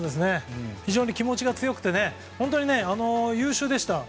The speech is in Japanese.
非常に気持ちが強くて本当に優秀でした。